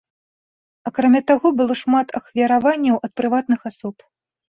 Акрамя таго, было шмат ахвяраванняў ад прыватных асоб.